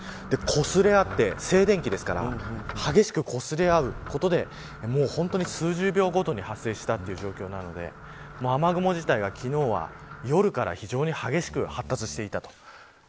こすれ合って、静電気ですから激しくこすれ合うことで数十秒ごとに発生したという状況なので雨雲自体が、昨日は夜から非常に激しく発達していったと。